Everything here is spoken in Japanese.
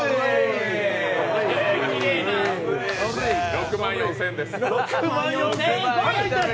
６万４０００円です。